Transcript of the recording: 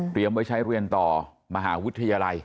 ไว้ใช้เรียนต่อมหาวิทยาลัย